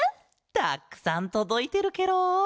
たっくさんとどいてるケロ。